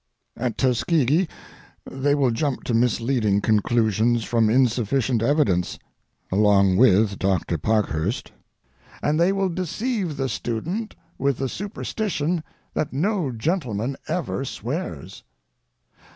At Tuskeegee they will jump to misleading conclusions from insufficient evidence, along with Doctor Parkhurst, and they will deceive the student with the superstition that no gentleman ever swears.